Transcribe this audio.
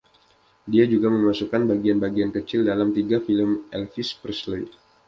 Dia juga memasukkan bagian-bagian kecil dalam tiga film Elvis Presley.